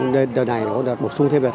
đợt này đã bổ sung thêm đợt hai